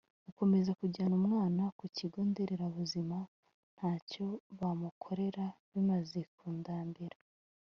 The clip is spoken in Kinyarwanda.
gukomeza kujyana umwana ku kigo nderabuzima ntacyo bamukorera bimaze kundambira